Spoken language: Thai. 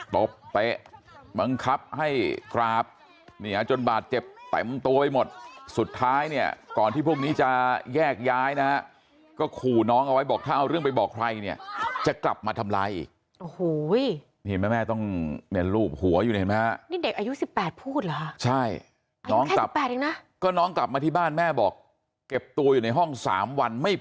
แต่พี่กราฟเนี่ยจนบาดเจ็บแต่งตัวไปหมดสุดท้ายเนี่ยก่อนที่พรุ่งนี้จะแยกย้ายนะ